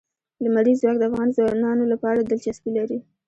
لمریز ځواک د افغان ځوانانو لپاره دلچسپي لري.